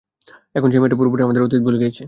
এখন সেই মেয়েটা পুরোপুরি আমাদের অতীত ভুলে গিয়েছে।